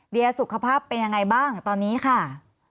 เดียสุขภาพเป็นยังไงบ้างตอนนี้ค่ะ